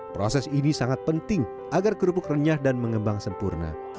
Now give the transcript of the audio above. proses ini sangat penting agar kerupuk renyah dan mengembang sempurna